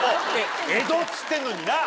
江戸っつってんのにな。